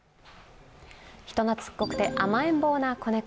人懐っこくて甘えん坊な子猫。